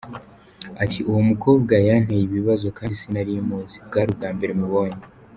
Ati “Uwo mukobwa yanteye ibibazo kandi sinari muzi, bwari ubwa mbere mubonye.